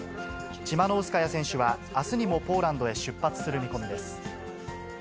チマノウスカヤ選手は、あすにもポーランドへ出発する見込みです。